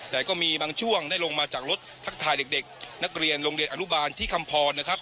แต่ก็มีบางช่วงได้ลงมาจากรถทักทายเด็กนักเรียนโรงเรียนอนุบาลที่คำพรนะครับ